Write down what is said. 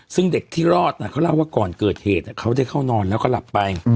ซึ่งเด็กที่รอดเขาเล่าว่าก่อนเกิดเหตุเขาได้เข้านอนแล้วก็หลับไป